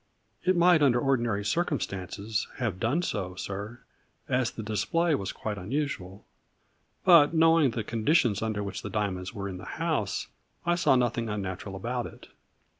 " It might under ordinary circumstances have done so, sir, as the display was quite unusual, but, knowing the conditions under which the diamonds were in the house, I saw nothing unnatural about it."